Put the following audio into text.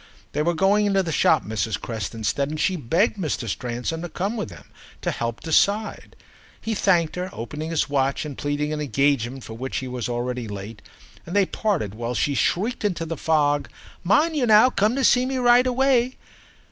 They were going into the shop, Mrs. Creston said, and she begged Mr. Stransom to come with them and help to decide. He thanked her, opening his watch and pleading an engagement for which he was already late, and they parted while she shrieked into the fog, "Mind now you come to see me right away!"